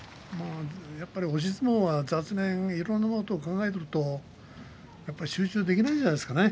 押し相撲はいろんなことを考えていると集中できないんじゃないですかね。